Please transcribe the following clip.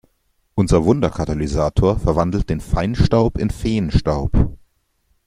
Unser Wunderkatalysator verwandelt den Feinstaub in Feenstaub.